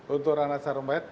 untuk ratna sarumpayat